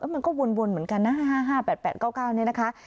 มันก็วนเหมือนกันนะ๕๕๘๘๙๙นี่นะคะ